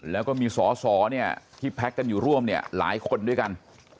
แล้วก็มีสอสอเนี่ยที่แพ็คกันอยู่ร่วมเนี่ยหลายคนด้วยกัน